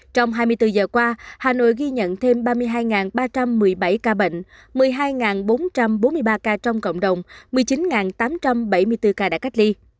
trong hai mươi bốn giờ qua hà nội ghi nhận thêm ba mươi hai ba trăm một mươi bảy ca bệnh một mươi hai bốn trăm bốn mươi ba ca trong cộng đồng một mươi chín tám trăm bảy mươi bốn ca đã cách ly